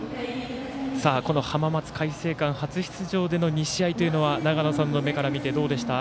この浜松開誠館、初出場での２試合というのは長野さんの目から見てどうでした？